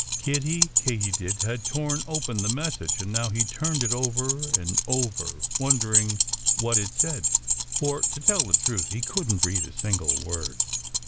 Kiddie Katydid had torn open the message; and now he turned it over and over, wondering what it said for to tell the truth, he couldn't read a single word.